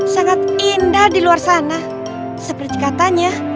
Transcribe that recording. sangat indah di luar sana seperti katanya